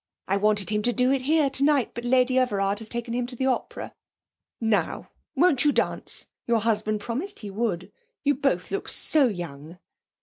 I wanted him to do it here tonight, but Lady Everard has taken him to the opera. Now, won't you dance? Your husband promised he would. You both look so young!'